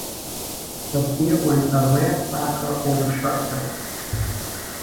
The deer went a rare cracker over Shirt Hill.